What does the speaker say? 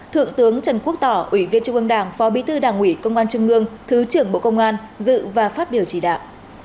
thượng tướng trần quốc tỏ ủy viên trung ương đảng phó bí thư đảng ủy công an trung ương thứ trưởng bộ công an dự và phát biểu chỉ đạo